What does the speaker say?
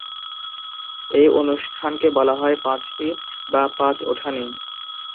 এ অনুষ্ঠানকে বলা হয় ‘পাঁচটি’ বা ‘পাঁচ উঠানি’।